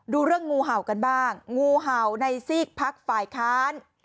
ดูเรื่องงูเห่ากันบ้างงูเห่าในซีกพักฝ่ายค้าน